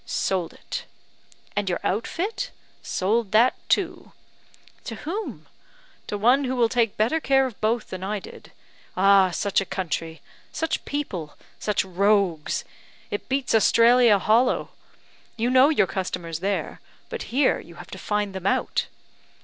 "Sold it." "And your outfit?" "Sold that too." "To whom?" "To one who will take better care of both than I did. Ah! such a country! such people! such rogues! It beats Australia hollow; you know your customers there but here you have to find them out.